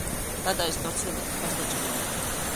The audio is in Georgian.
ლატარიის გავრცელება დიდხანს გაჭიანურდა.